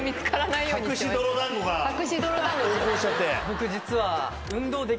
僕実は。